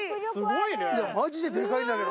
いやマジででかいんだけど。